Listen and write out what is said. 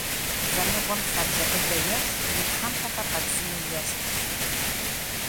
Вэныгъуэм лъабжьэ быдэ ещӏ, и тхьэмпэхэр къабзийм ещхьщ.